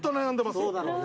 そうだろうね。